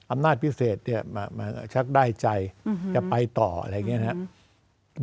อำนาจพิเศษเนี่ยชักได้ใจจะไปต่ออะไรอย่างนี้นะครับ